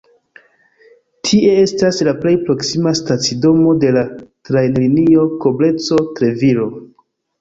Tie estas la plej proksima stacidomo de la trajnlinio Koblenco-Treviro.